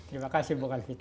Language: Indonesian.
terima kasih bukan gitu